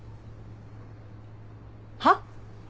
はっ？